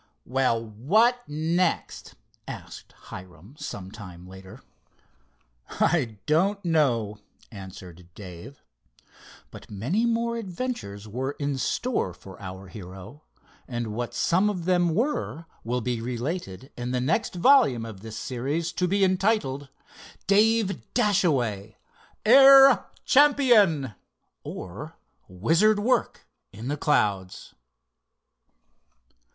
"Well, what next?" asked Hiram, some time later. "I don't know," answered Dave. But many more adventures were in store for our hero, and what some of them were will be related in the next volume of this series, to be entitled: "Dave Dashaway, Air Champion; Or, Wizard Work in the Clouds."